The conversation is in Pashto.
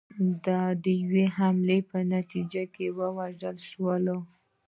د یوې حملې په نتیجه کې ووژل شول